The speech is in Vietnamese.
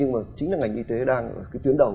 nhưng mà chính là ngành y tế đang ở cái tuyến đầu